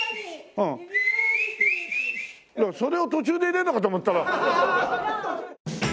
それを途中で入れるのかと思ったら。